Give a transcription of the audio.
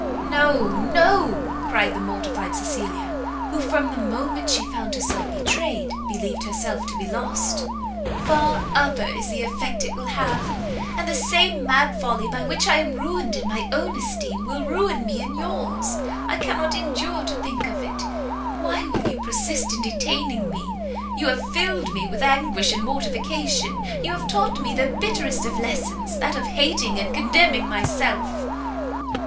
"No, no," cried the mortified Cecilia, who from the moment she found herself betrayed, believed herself to be lost, "far other is the effect it will have! and the same mad folly by which I am ruined in my own esteem, will ruin me in yours! I cannot endure to think of it! why will you persist in detaining me? You have filled me with anguish and mortification, you have taught me the bitterest of lessons, that of hating and contemning myself!"